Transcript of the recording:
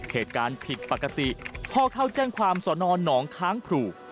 เหตุการณ์ผิดปกติพ่อเข้าแจ้งความสอนอนหนองค้างครู